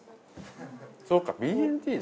そっかＢＬＴだ。